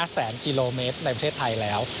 แสนกิโลเมตรในประเทศไทยแล้ว